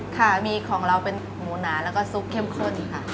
ค่ะมีของเราเป็นหมูหนาแล้วก็ซุปเข้มข้นค่ะ